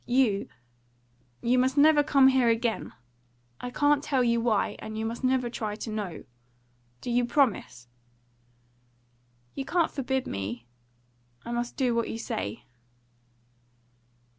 You you must never come here again. I can't tell you why, and you must never try to know. Do you promise?" "You can forbid me. I must do what you say."